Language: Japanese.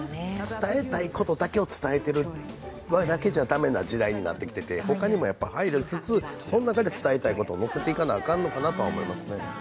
伝えたいことだけを伝えてるだけじゃ駄目な時代になってきててほかにも配慮しつつ、その中で伝えたいことを乗せていかなければならないのかなと思いますよね。